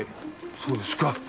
そうですか。